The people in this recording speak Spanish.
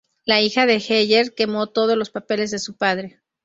La hija de Heyer quemó todos los papeles de su padre.